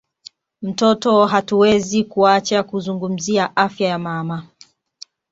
mtoto hatuwezi kuacha kuzungumzia afya ya mama